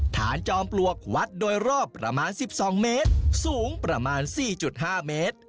ฐานจอมปลวกวัดโดยรอบประมาณ๑๒เมตรสูงประมาณ๔๕เมตร